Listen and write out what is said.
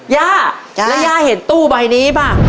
ย่าแล้วย่าเห็นตู้ใบนี้ป่ะ